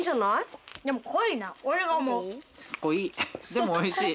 でもおいしい。